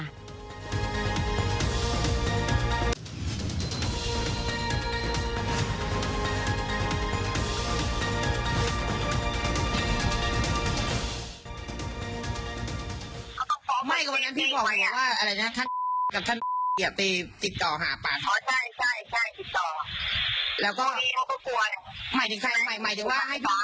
แล้วก็ให้พี่ฟ้าแจ้งถอนด้วยเหรอ